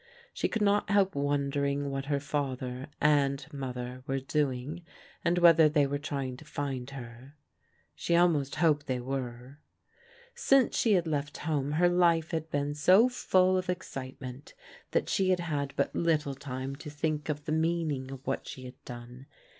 She could not help wondering what her father and mother were doing, and whether they were trying to find her. She almost hoped they were. 19% ELEANOB AND PEGGY DEFIANT 193 Since she had left home, her life had been so full of excitement that she had had but little time to think of the meaning of what she had done.